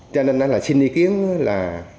cho nên xin ý kiến là